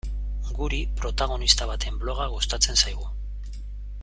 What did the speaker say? Guri, protagonista baten bloga gustatzen zaigu.